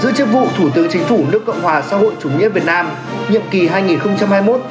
giữa chức vụ thủ tướng chính phủ nước cộng hòa xã hội chủ nghĩa việt nam